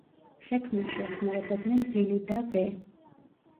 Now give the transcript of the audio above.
შექმნაში ეხმარებოდნენ ვილი და ვე.